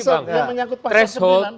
yang menyangkut pasal sembilan